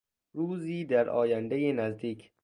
روزی در آیندهی نزدیک